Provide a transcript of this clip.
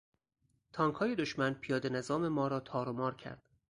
تانکهای دشمن پیاده نظام مارا تارومار کرد.